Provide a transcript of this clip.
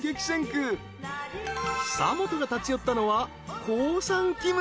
［久本が立ち寄ったのは］